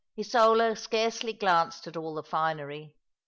Isola scarcely glanced at all the finery.